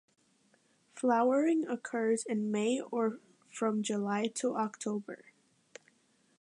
Flowering occurs in May or from July to October.